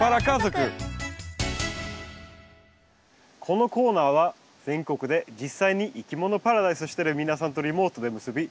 このコーナーは全国で実際にいきものパラダイスしてる皆さんとリモートで結び